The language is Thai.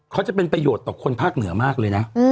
เขาจะเป็นประโยชน์ต่อคนภาคเหนือมากเลยนะ